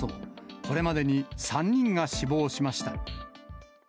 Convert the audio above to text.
これまでに３人が死亡しました。